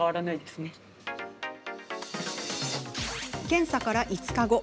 検査から５日後。